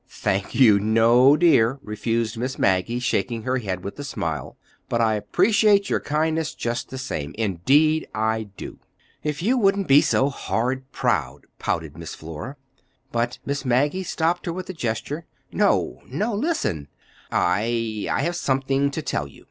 "Thank you, no, dear," refused Miss Maggie, shaking her head with a smile. "But I appreciate your kindness just the same—indeed, I do!" "If you wouldn't be so horrid proud," pouted Miss Flora. But Miss Maggie stopped her with a gesture. "No, no,—listen! I—I have something to tell you.